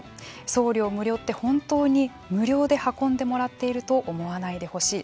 送料無料って本当に無料で運んでもらっていると思わないでほしい。